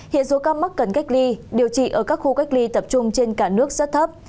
hiện số ca mắc cần cách ly điều trị ở các khu cách ly tập trung trên cả nước rất thấp